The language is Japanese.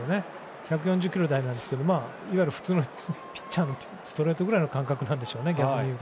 １４０キロ台でしたけど普通のピッチャーのストレートくらいの感覚なんでしょうね。